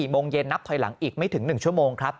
โมงเย็นนับถอยหลังอีกไม่ถึง๑ชั่วโมงครับ